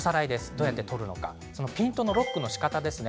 どうやって撮るのかピントのロックのしかたです。